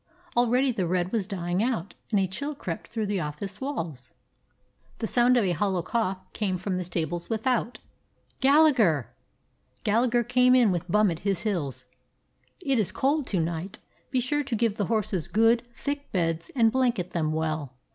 Already the red was dying out, and a chill crept through the office walls. The sound of a hollow cough came from the stables without. "Gallagher!" Gallagher came in with Bum at his heels. "It is cold to night. Be sure and give the horses good, thick beds, and blanket them well.